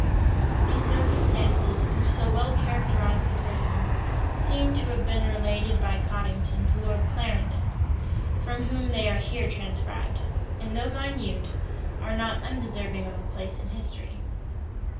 These circumstances, which so well characterize the persons, seem to have been related by Cottington to Lord Clarendon, from whom they are here transcribed; and though minute, are not undeserving of a place in history.